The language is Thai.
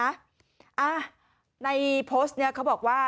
อ่ะในโพสต์นี้เขาบอกว่า